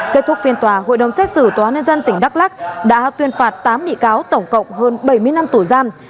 kết thúc phiên tòa hội đồng xét xử tòa nhân dân tỉnh đắk lắc đã tuyên phạt tám bị cáo tổng cộng hơn bảy mươi năm tù giam